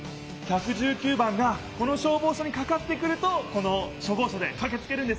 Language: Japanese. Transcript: １１９番がこの消防署にかかってくるとこの消防車でかけつけるんですね。